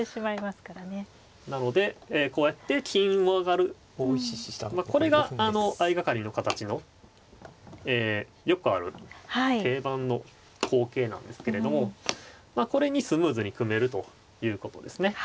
なのでこうやって金を上がるこれがあの相掛かりの形のよくある定番の好形なんですけれどもこれにスムーズに組めるということですね。